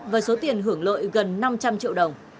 với số tiền hưởng lợi gần năm trăm linh triệu đồng